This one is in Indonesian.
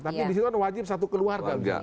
tapi di situ kan wajib satu keluarga